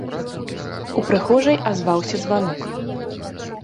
У прыхожай азваўся званок.